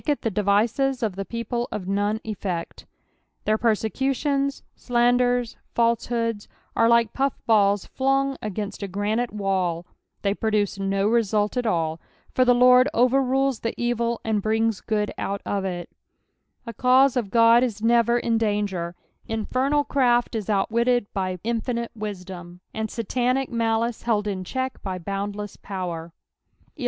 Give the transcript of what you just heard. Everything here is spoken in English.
lh the den'uxt of the people of none effect.'" Cllicir persecutions, sinnden, fniaehoods, are tike puff balls flung against a grauito wall— they prodw^ no result at all ; for the Lord overrules the evil, and brings good out ofiy The cause of God Is never in danger : infernal craft is outwittecf by infinite wisdom, and Satanic malice held in check tiy boundless power, 11.